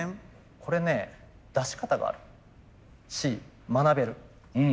これね出し方があるし学べる。